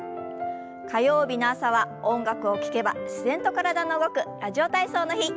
火曜日の朝は音楽を聞けば自然と体が動く「ラジオ体操」の日。